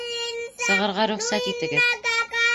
Сығырға рөхсәт итегеҙ